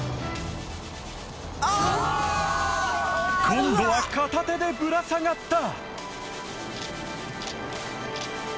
今度は片手でぶら下がった！